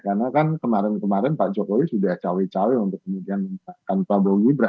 karena kan kemarin kemarin pak jokowi sudah cawek cawek untuk kemudian meminta pak prabowo gibran